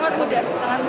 mbak kalau udara sendiri